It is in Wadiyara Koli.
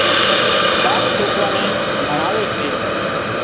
ٻاپ سوڪران نين ڀڻاوي سي